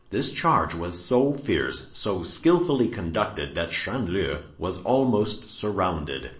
This charge was so fierce, so skillfully conducted, that Chanleu was almost surrounded.